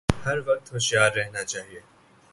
ہر وقت ہوشیار رہنا چاہیے